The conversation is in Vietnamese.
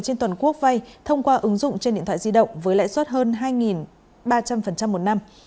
trên toàn quốc vay thông qua ứng dụng trên điện thoại di động với lãi suất hơn hai ba trăm linh một năm